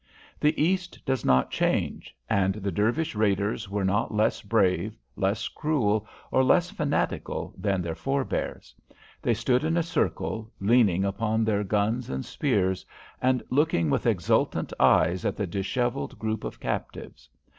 The East does not change, and the Dervish raiders were not less brave, less cruel, or less fanatical than their forebears. They stood in a circle, leaning upon their guns and spears, and looking with exultant eyes at the dishevelled group of captives.